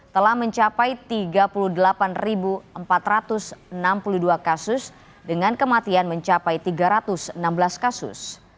telah mencapai tiga puluh delapan empat ratus enam puluh dua kasus dengan kematian mencapai tiga ratus enam belas kasus